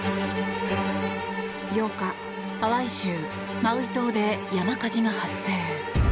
８日、ハワイ州マウイ島で山火事が発生。